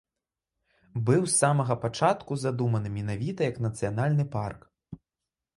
Быў з самага пачатку задуманы менавіта як нацыянальны парк.